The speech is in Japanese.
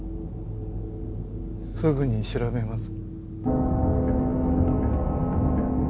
すぐに調べます。